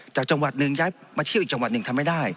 จากจังหวัดหนึ่งย้ายมาเที่ยวอีกจังหวัดหนึ่งทำไม่ได้